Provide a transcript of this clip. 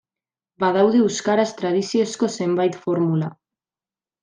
Badaude euskaraz tradiziozko zenbait formula.